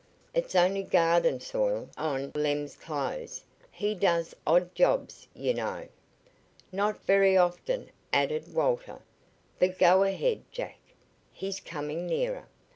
"It's only garden soil on Lem's clothes. He does odd jobs, you know." "Not very often," added Walter. "But go ahead, Jack. He's coming nearer.